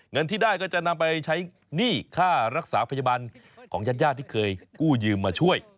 เงินที่ได้ก็จะนำไปใช้หนี้ค่ารักษาพยาบาลของญาติญาติที่เคยกู้ยืมมาช่วย